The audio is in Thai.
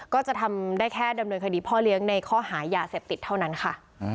ก็จะทำได้แค่ดำเนินคดีพ่อเลี้ยงในข้อหายาเสพติดเท่านั้นค่ะ